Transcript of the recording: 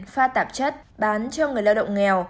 pha tạp chất bán cho người lao động nghèo